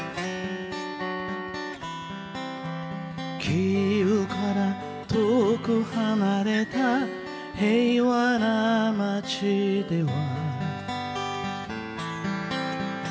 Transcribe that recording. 「キーウから遠く離れた平和な町では」